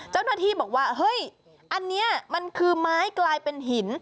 เจ้าหน้าที่บอกว่าเฮ้ยอันนี้มันคือไม้กลายเป็นหิน